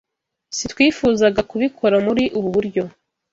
Sitwifuzagakubikora muri ubu buryo.